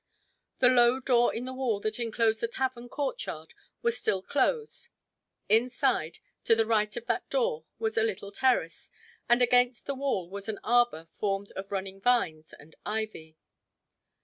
The low door in the wall that enclosed the tavern courtyard was still closed. Inside, to the right of that door, was a little terrace, and against the wall was an arbor formed of running vines and ivy.